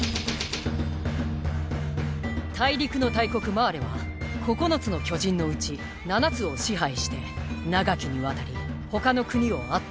大陸の大国マーレは九つの巨人のうち七つを支配して長きにわたり他の国を圧倒してきました。